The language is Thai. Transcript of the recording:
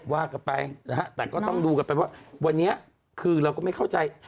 ว่ากันไปนะฮะแต่ก็ต้องดูกันไปว่าวันนี้คือเราก็ไม่เข้าใจ